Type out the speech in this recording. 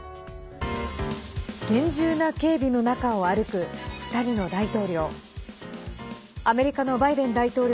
厳重な警備の中を歩く２人の大統領。